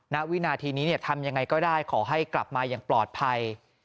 ณวินาทีนี้ทำยังไงก็ได้ขอให้กลับมาอย่างปลอดภัย